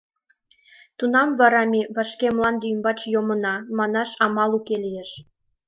Тунам вара «ме вашке мланде ӱмбач йомына» манашат амал уке лиеш.